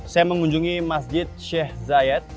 saya mengunjungi masjid syekh zayed